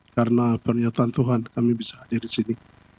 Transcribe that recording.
karena pernyataan tuhan kami bisa hadir disini